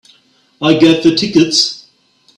I'll get the tickets.